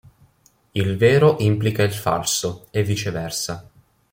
Il vero implica il falso, e viceversa.